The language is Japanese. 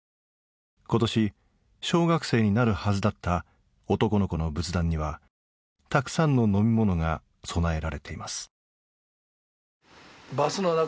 今年小学生になるはずだった男の子の仏壇にはたくさんの飲み物が供えられています。